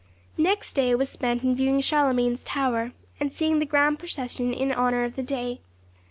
Next day was spent in viewing Charlemagne's Tower, and seeing the grand procession in honour of the day.